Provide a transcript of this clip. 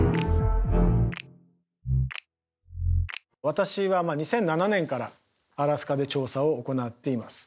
私は２００７年からアラスカで調査を行っています。